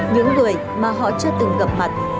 những người mà họ chưa từng gặp mặt